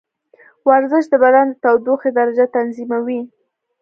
ورزش د بدن د تودوخې درجه تنظیموي.